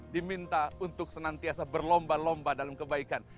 diminta untuk senantiasa berlomba lomba dalam kebaikan